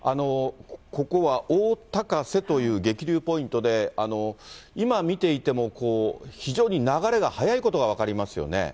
ここは大高瀬という激流ポイントで、今見ていても、非常に流れが速いことが分かりますよね。